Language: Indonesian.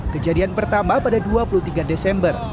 kejadian pertama pada dua puluh tiga desember